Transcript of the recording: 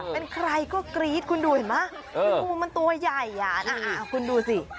เป็นใครก็กรี๊ดคุณดูเห็นไหมคืองูมันตัวใหญ่คุณดูสิ